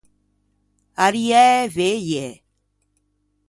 Arriæ e veie!